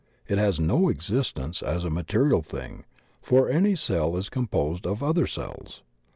It has no existence as a material thing, for any cell is composed of other cells.